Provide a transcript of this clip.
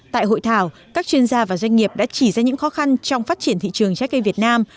tại hội thảo các chuyên gia và doanh nghiệp đã chỉ ra những khó khăn trong phát triển thị trường trái cây việt nam